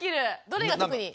どれが特に？